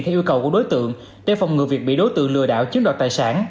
theo yêu cầu của đối tượng để phòng ngừa việc bị đối tượng lừa đảo chiếm đoạt tài sản